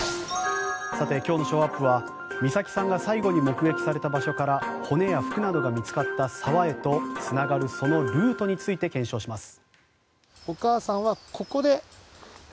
さて、今日のショーアップは美咲さんが最後に目撃された場所から骨や服などが見つかった沢へとつながるそのルートについて検証します。